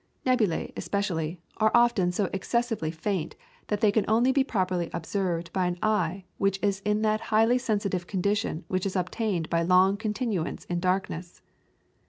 Nebulae, especially, are often so excessively faint that they can only be properly observed by an eye which is in that highly sensitive condition which is obtained by long continuance in darkness.